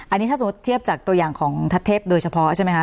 อันนี้ถ้าสมมุติเทียบจากตัวอย่างของทัศเทพโดยเฉพาะใช่ไหมคะ